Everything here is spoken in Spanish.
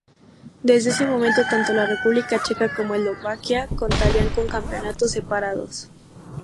Desde ese momento, tanto la República Checa como Eslovaquia contarían con campeonatos separados.